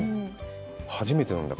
初めてなんだよ。